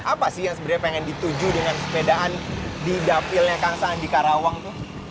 apa sih yang sebenarnya pengen dituju dengan sepedaan di dapilnya kang saan di karawang tuh